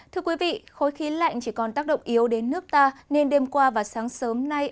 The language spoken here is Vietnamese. thưa quý vị khối khí lạnh chỉ còn tác động yếu đến nước ta nên đêm qua và sáng sớm nay